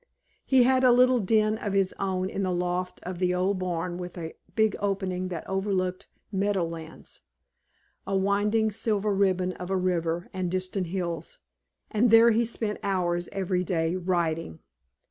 He had a little den of his own in the loft of the old barn with a big opening that overlooked meadow lands, a winding silver ribbon of a river and distant hills, and there he spent hours every day writing.